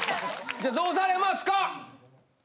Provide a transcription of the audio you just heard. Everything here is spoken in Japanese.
じゃあどうされますか？